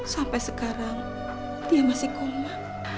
sampai sekarang dia masih koma